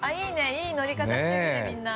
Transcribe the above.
いい乗り方してるね、みんな。